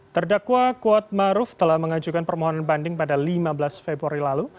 terdakwa kuatmaruf telah mengajukan permohonan banding pada lima belas februari lalu